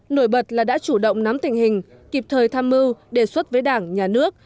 nổi bật là đã chủ động nắm tình hình kịp thời tham mưu đề xuất với đảng nhà nước